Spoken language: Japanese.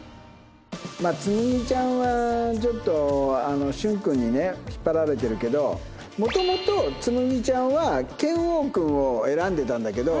つむぎちゃんはちょっと峻君にね引っ張られてるけど元々つむぎちゃんは拳王君を選んでたんだけど。